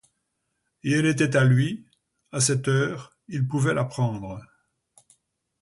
Et elle était à lui, à cette heure, il pouvait la prendre.